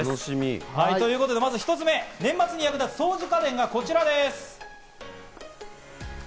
ということで、まず１つ目、年末なので掃除家電がこちらです。